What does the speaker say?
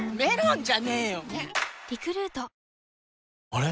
あれ？